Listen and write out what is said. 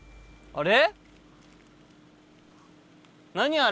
あれ。